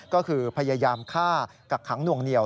ก็คือพยายามฆ่ากักขังหน่วงเหนียว